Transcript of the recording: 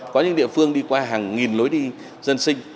có những địa phương đi qua hàng nghìn lối đi dân sinh